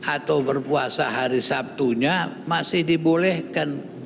atau berpuasa hari sabtunya masih dibolehkan